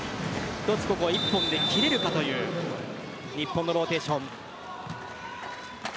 ここは１本で切れるかという日本のローテーション。